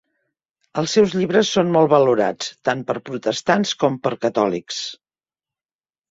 Els seus llibres són molt valorats tant per protestants com per catòlics.